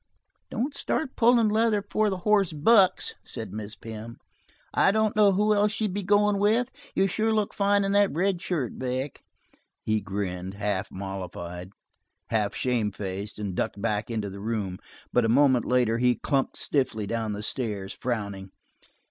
"Don't start pullin' leather before the horse bucks," said Mrs. Pym. "I don't know who else she'd be goin' with. You sure look fine in that red shirt, Vic!" He grinned, half mollified, half shame faced, and ducked back into the room, but a moment later he clumped stiffly down the stairs, frowning.